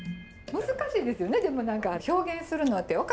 難しいですよねでも何か表現するのって。